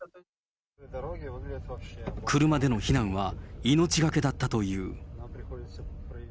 車での避難は命がけだったという。